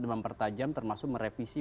mempertajam termasuk merevisi